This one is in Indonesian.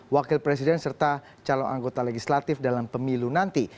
wakil presiden serta calon anggota legislatif dalam pemilu nanti